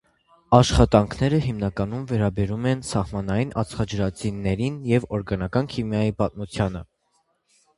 Աշխատանքները հիմնականում վերաբերում են սահմանային ածխաջրածիններին և օրգանական քիմիայի պատմությանը։